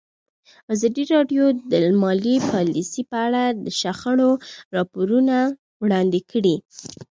ازادي راډیو د مالي پالیسي په اړه د شخړو راپورونه وړاندې کړي.